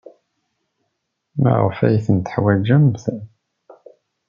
Maɣef ay tent-teḥwajemt?